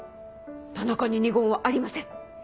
田中に二言はありません。